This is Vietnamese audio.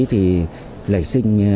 thì không có tiền để sử dụng ma túy